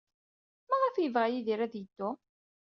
Maɣef ay yebɣa Yidir ad yeddu?